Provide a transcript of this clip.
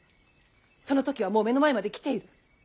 その時はもう目の前まで来ている。